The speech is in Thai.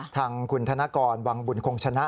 ทางคุณธนกรวังบุญคงชนะ